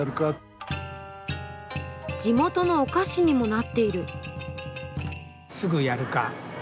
地元のお菓子にもなっている。